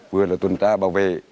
vừa là tuần tra bảo vệ